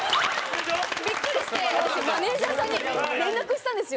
ビックリして私マネジャーさんに連絡したんですよ。